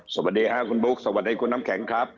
สวัสดีค่ะคุณบุ๊คสวัสดีคุณน้ำแข็งครับ